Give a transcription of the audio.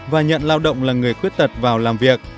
và nhận lao động là người khuyết tật vào làm việc